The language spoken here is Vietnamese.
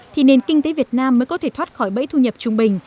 thì nền kinh tế việt nam mới có thể thoát khỏi bẫy thu nhập trung bình